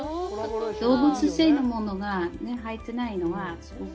動物性のものが入ってないので。